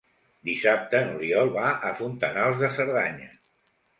Dissabte n'Oriol va a Fontanals de Cerdanya.